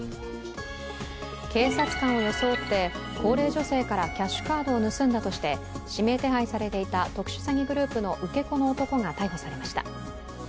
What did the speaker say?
警察官を装って高齢女性からキャッシュカードを盗んだとして指名手配されていた特殊詐欺グループの受け子の男が逮捕されました。